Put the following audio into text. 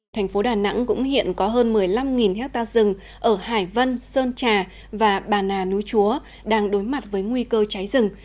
thành phố đà nẵng cũng hiện có hơn một mươi năm hectare rừng ở hải vân sơn trà và bà nà núi chúa đang đối mặt với nguy cơ cháy rừng